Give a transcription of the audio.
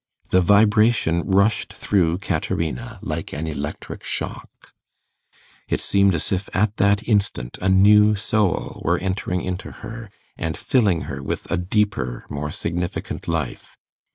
The vibration rushed through Caterina like an electric shock: it seemed as if at that instant a new soul were entering into her, and filling her with a deeper, more significant life.